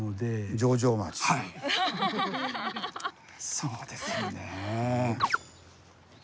そうですね。